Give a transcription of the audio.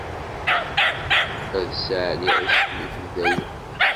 Ad ssaɛliɣ isem-ik, i dayem.